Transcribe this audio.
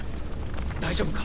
大丈夫か？